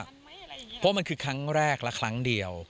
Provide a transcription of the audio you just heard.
เพราะว่ามันคือครั้งแรกและครั้งเดียว